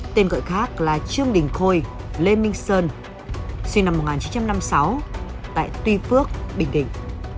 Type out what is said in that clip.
tên gọi khác là trương đình khôi lê minh sơn sinh năm một nghìn chín trăm năm mươi sáu tại tuy phước bình định